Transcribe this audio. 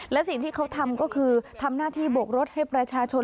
และสิ่งที่เขาทำก็คือทำหน้าที่โบกรถให้ประชาชน